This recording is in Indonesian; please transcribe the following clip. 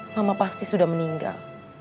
mama pasti sudah meninggal